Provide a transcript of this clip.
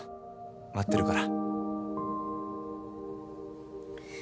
待ってるから」。